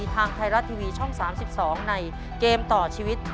ทางไทยรัฐทีวีช่อง๓๒ในเกมต่อชีวิต